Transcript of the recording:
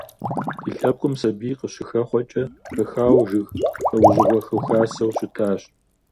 Ди лъэпкъым сабий къыщыхэхъуэкӀэ хэхауэ жыг лӀэужьыгъуэ хухасэу щытащ.